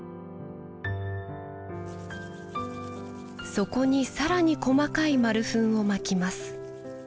そこに更に細かい丸粉を蒔きます。